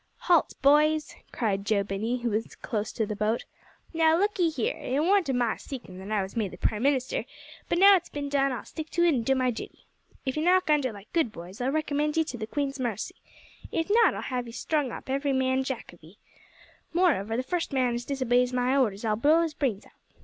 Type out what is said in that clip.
"Halt! boys," cried Joe Binney, when close to the boat. "Now, look 'ee here. It warn't o' my seekin' that I was made prime minister, but now that it's bin done I'll stick to it an' do my duty. If ye knock under like good boys I'll recommend ye to the queen's marcy. If not I'll have 'ee strung up, every man jack of 'ee. Moreover, the first man as disobeys my orders I'll blow his brains out.